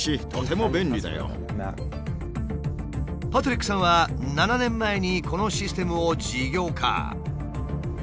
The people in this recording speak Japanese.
パトリックさんは７年前にこのシステムを事業化。